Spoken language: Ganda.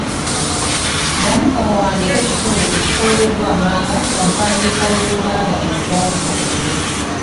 Ddamu owandiike ekitundu ekikuweereddwa wammanga mu mpandiika y’Oluganda entongole.